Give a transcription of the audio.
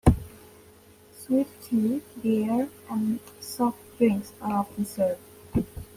Sweet tea, beer, and soft drinks are often served.